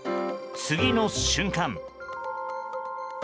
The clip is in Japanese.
次の瞬間。